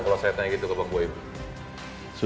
kalau saya tanya gitu ke pak boy